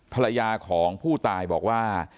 ภรรยาของผู้ตายบอกว่า